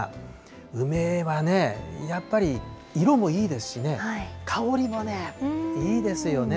梅はね、やっぱり色もいいですしね、香りもね、いいですよね。